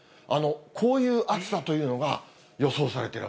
こういう暑さというのが、予想さ